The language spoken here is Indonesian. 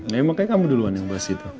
memang makanya kamu duluan yang bahas itu